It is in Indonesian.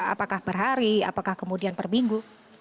apakah per hari apakah kemudian per minggu